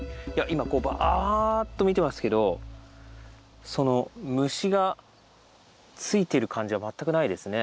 今こうバーッと見てますけどその虫がついてる感じは全くないですね。